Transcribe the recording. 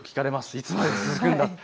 いつまで続くんだと。